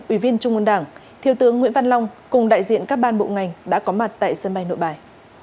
ủy viên trung ương đảng thiếu tướng nguyễn văn long cùng đại diện các ban bộ ngành đã có mặt tại sân bay nội bài